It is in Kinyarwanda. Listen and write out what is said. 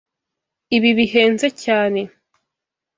Ibi bihenze cyane!